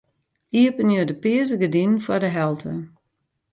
Iepenje de pearse gerdinen foar de helte.